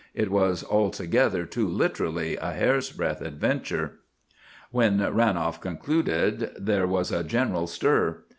It was altogether too literally a 'hair's breadth' adventure." When Ranolf concluded there was a general stir.